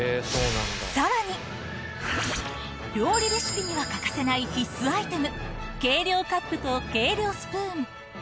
さらに、料理レシピには欠かせない必須アイテム、計量カップと計量スプーン。